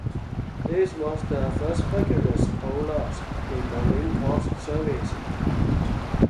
This was the first Hercules hull loss in Marine Corps service.